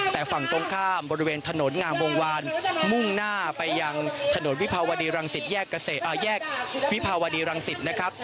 แต่ฝั่งตรงข้ามบริเวณถนนงามวงวานมุ่งหน้าไปยังถนนวิภาวดีรังสิตแยกวิภาวดีรังสิตนะครับ